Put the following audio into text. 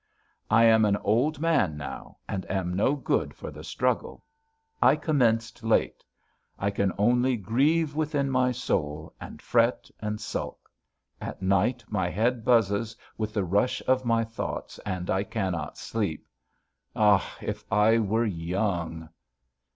I am an old man now and am no good for the struggle. I commenced late. I can only grieve within my soul, and fret and sulk. At night my head buzzes with the rush of my thoughts and I cannot sleep.... Ah! If I were young!"